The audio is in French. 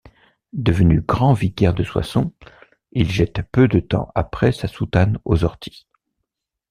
Devenu grand-vicaire de Soissons, il jette peu de temps après sa soutane aux orties.